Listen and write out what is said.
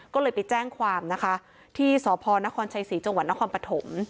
ก็เลยไปแจ้งความนะคะที่สพนครชัยศรีจังหวัดนครปฐม